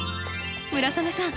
村雨さん